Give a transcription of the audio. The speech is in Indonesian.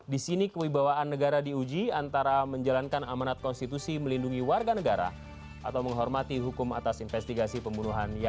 disini kewibawaan negara diuji antara menjalankan amanat konstitusi melindungi warga negara atau menghormati hukum atas investigasi pembunuhan siti aisyah